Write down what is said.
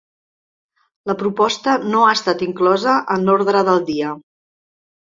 La proposta no ha estat inclosa en l’ordre del dia.